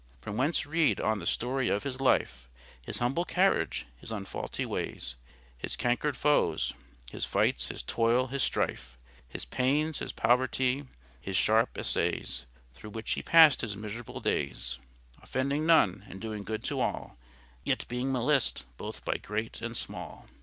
From thence reade on the storie of His life, His humble carriage, His unfaulty wayes, His cancred foes, His fights, His toyle, His strife, His paines, His povertie, His sharpe assayes, Through which He past His miserable dayes, Offending none, and doing good to all, Yet being malist both by great and small.